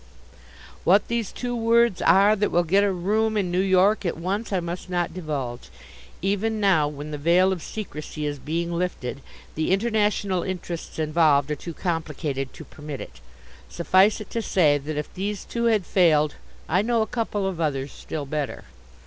What these two words are that will get a room in New York at once I must not divulge. Even now, when the veil of secrecy is being lifted, the international interests involved are too complicated to permit it. Suffice it to say that if these two had failed I know a couple of others still better.